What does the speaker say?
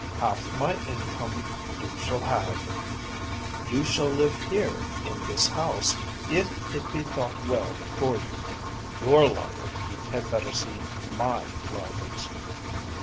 "Half my income you shall have." "You shall live here in this house, if it be thought well for you." "Your lawyer had better see my lawyers."